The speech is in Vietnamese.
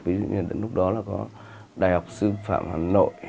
ví dụ như lúc đó là có đại học sư phạm hà nội